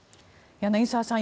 柳澤さん